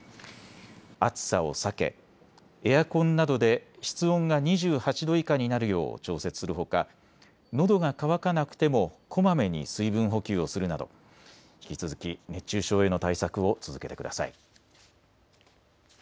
暑さを避けエアコンなどで室温が２８度以下になるよう調節するほか、のどが渇かなくてもこまめに水分補給をするなど引き続き熱中症への対策を続けてください。